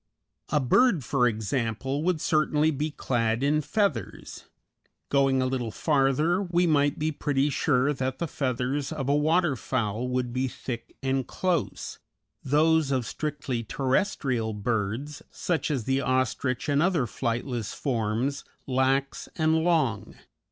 A bird, for example, would certainly be clad in feathers. Going a little farther, we might be pretty sure that the feathers of a water fowl would be thick and close; those of strictly terrestrial birds, such as the ostrich and other flightless forms, lax and long.